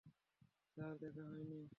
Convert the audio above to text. Sir, দেখা হয়নি।